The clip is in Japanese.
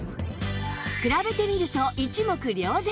比べてみると一目瞭然